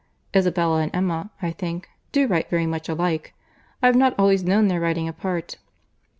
Isabella and Emma, I think, do write very much alike. I have not always known their writing apart."